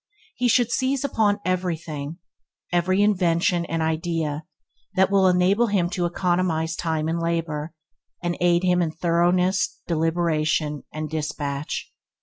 He should seize upon every thing – every invention and idea – that will enable him to economize time and labour, and aid him in thoroughness, deliberation and dispatch.